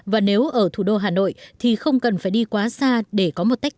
và nếu ở thủ đô hà nội thì không cần phải đi quá xa để có một tách